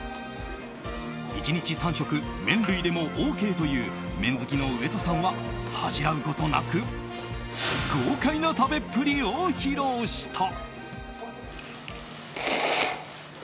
１日３食、麺類でもＯＫという麺好きの上戸さんは恥じらうことなく豪快な食べっぷりを披露した。